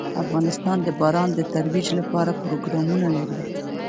افغانستان د باران د ترویج لپاره پروګرامونه لري.